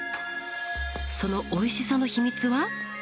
そのおいしさの秘密は？